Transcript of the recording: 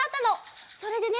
それでね